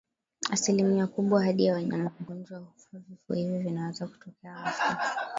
Asilimia kubwa hadi ya wanyama wagonjwa hufa Vifo hivi vinaweza kutokea ghafla